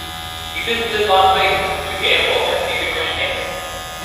He visited Las Vegas, to gamble and see the Grand Canyon.